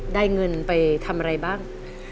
ได้เงินไปทำอะไรบ้าง